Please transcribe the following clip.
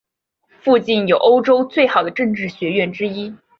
附近有欧洲最好的政治学院之一。